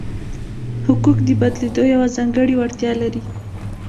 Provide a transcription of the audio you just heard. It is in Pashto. حقوق د بدلېدو یوه ځانګړې وړتیا لري.